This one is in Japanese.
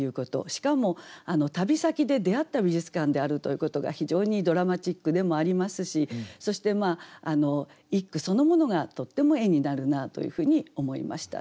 しかも旅先で出会った美術館であるということが非常にドラマチックでもありますしそして一句そのものがとっても絵になるなというふうに思いました。